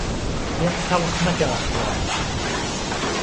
لێم تهڵخ مهکه ئهحواڵ